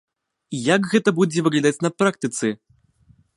Як гэта будзе выглядаць на практыцы?